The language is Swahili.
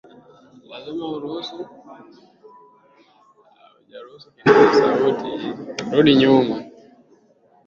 Aliamua kumleta mtoto wake kazini